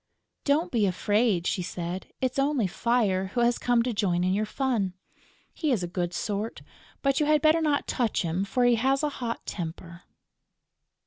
"Don't be afraid," she said. "It's only Fire, who has come to join in your fun. He is a good sort, but you had better not touch him, for he has a hot temper."